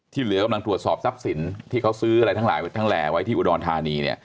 ที่เหลือก็ตรวจสอบทรัพย์สินที่เขาซื้ออะไรทั้งแหล่ไว้ที่อุดรธานี